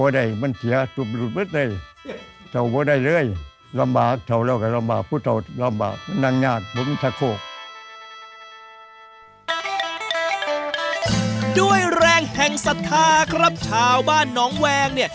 แรงแห่งศรัทธาครับชาวบ้านน้องแวงเนี่ย